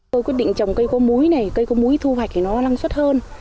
tôi quyết định trồng cây có múi này cây có múi thu hoạch thì nó năng suất hơn